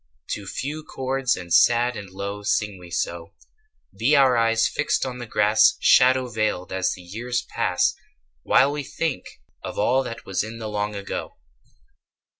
To few chords and sad and low Sing we so: Be our eyes fixed on the grass Shadow veiled as the years pass While we think of all that was In the long ago.